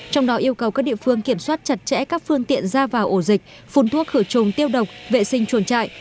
trong đó yêu cầu các địa phương kiểm soát chặt chẽ các phương tiện ra vào ổ dịch phun thuốc khử trùng tiêu độc vệ sinh chuồng trại